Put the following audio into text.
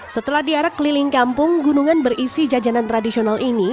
setelah diarak keliling kampung gunungan berisi jajanan tradisional ini